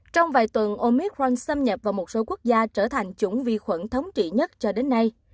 trong vài tuần omit ron xâm nhập vào một số quốc gia trở thành chủng vi khuẩn thống trị nhất cho đến nay